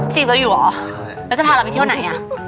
จีบเราอยู่เหรอแล้วจะพาเราไปเที่ยวไหนอ่ะ